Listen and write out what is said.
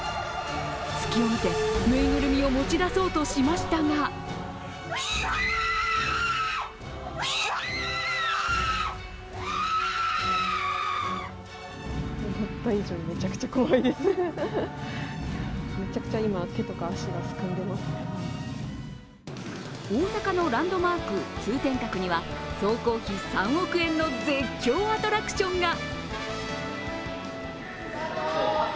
隙をみて、ぬいぐるみを持ち出そうとしましたが大阪のランドマーク・通天閣には総工費３億円の絶叫アトラクションが。